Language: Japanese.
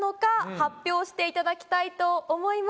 発表していただきたいと思います。